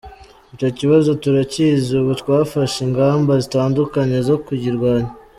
Icyo kibazo turakizi, ubu twafashe ingamba zitandukanye zo kuyirwanya.